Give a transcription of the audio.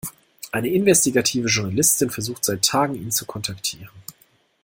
Eine investigative Journalistin versucht seit Tagen, ihn zu kontaktieren.